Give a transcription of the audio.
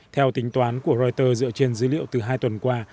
theo tính toán của reuters dựa trên dữ liệu từ hai tuần qua